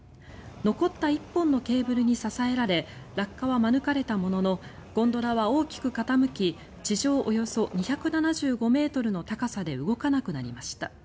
残った１本のケーブルに支えられ落下は免れたもののゴンドラは大きく傾き地上およそ２７５ｍの高さで動かなくなりました。